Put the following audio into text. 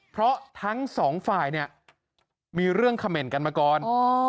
เพราะทั้ง๒ฝ่ายมีเรื่องคำเมนต์กันมาก่อน